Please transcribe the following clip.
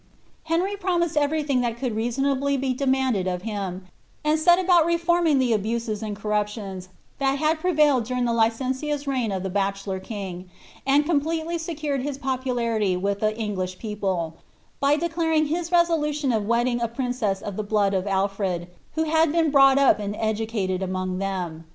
' Henry promised everything that could reasonably be demanded of him, and set about reforming the abuses and corruptions that had pre vailed during the licentious reign of the bachelor king, and completely •ecu red his popularity with die English people, by declaring his resolu tion of wedding a princess of the blood of Alfred, who had been brought up and educated among them.